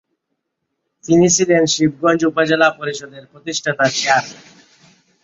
তিনি ছিলেন শিবগঞ্জ উপজেলা পরিষদের প্রতিষ্ঠাতা চেয়ারম্যান।